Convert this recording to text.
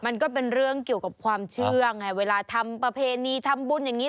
มันก็เป็นเรื่องเกี่ยวกับความเชื่อไงเวลาทำประเพณีทำบุญอย่างนี้